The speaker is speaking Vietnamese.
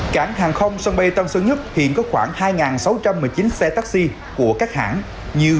cảng hàng không sân bay tân sơn nhất hiện có khoảng hai sáu trăm một mươi chín xe taxi của các hãng như